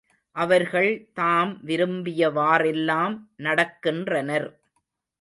அவர்கள் தாம் விரும்பியவாறெல்லாம் நடக்கின்றனர்.